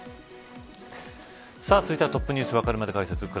続いてはＴｏｐｎｅｗｓわかるまで解説です。